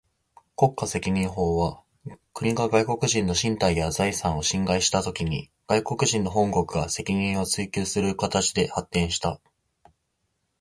国家責任法は、国が外国人の身体や財産を侵害したときに、外国人の本国が責任を追求する形で発展した。